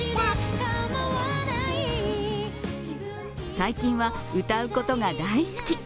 最近は歌うことが大好き。